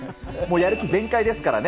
やる気全開ですからね。